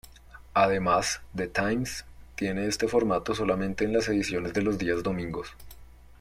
Además, "The Times" tiene este formato solamente en las ediciones de los días domingos.